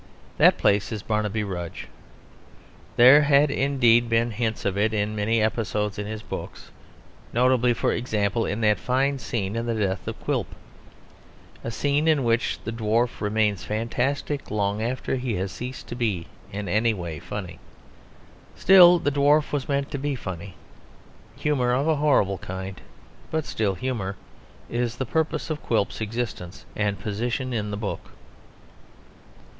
That place is Barnaby Rudge. There had indeed been hints of it in many episodes in his books; notably, for example, in that fine scene of the death of Quilp a scene in which the dwarf remains fantastic long after he has ceased to be in any way funny. Still, the dwarf was meant to be funny. Humour of a horrible kind, but still humour, is the purpose of Quilp's existence and position in the book.